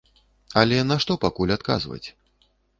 Але на што пакуль адказваць?